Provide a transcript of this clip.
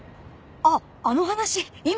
あっあの話今？